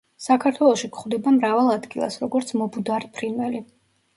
საქართველოში გვხვდება მრავალ ადგილას, როგორც მობუდარი ფრინველი.